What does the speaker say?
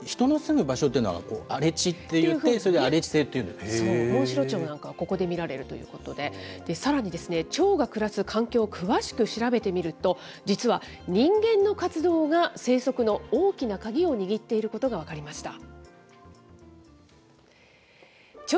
これ、人の住む場所っていうのは荒地っていって、それで荒地性っていうモンシロチョウなんか、ここで見られるということで、さらにチョウが暮らす環境を詳しく調べてみると、実は人間の活動が生息の大きな鍵を握っていることが分かりました。